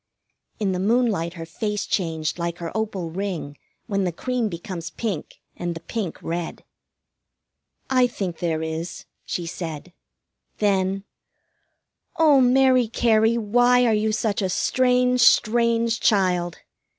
In the moonlight her face changed like her opal ring when the cream becomes pink and the pink red. "I think there is," she said. Then: "Oh, Mary Cary, why are you such a strange, strange child?"